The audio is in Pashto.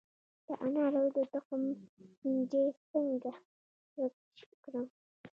د انارو د تخم چینجی څنګه ورک کړم؟